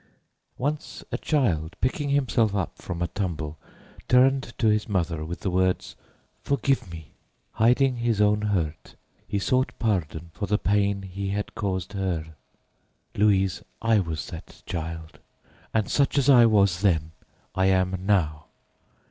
Once a child, picking himself up from a tumble, turned to his mother with the words "Forgive me." Hiding his own hurt, he sought pardon for the pain he had caused her. Louise, I was that child, and such as I was then, I am now.